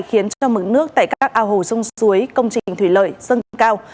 khiến cho mức nước tại các ao hồ sông suối công trình thủy lợi sân cao